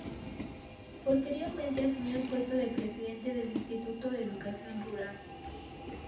Posteriormente asumió el puesto de presidente del Instituto de Educación Rural.